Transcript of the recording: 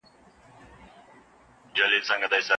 بزګر وایي چې سږکال یې ډیر زیار ایستلی دی.